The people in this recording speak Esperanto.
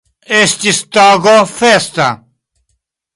Estis tago festa.